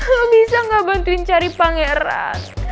lo bisa gak bantuin cari pangeran